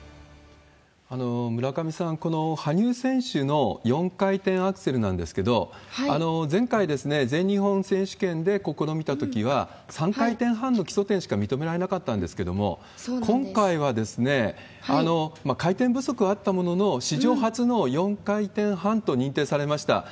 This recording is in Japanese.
村上さん、この羽生選手の４回転アクセルなんですけれども、前回、全日本選手権で試みたときは、３回転半の基礎点しか認められなかったんですけれども、今回は、回転不足はあったものの、史上初の４回転半と認定されました。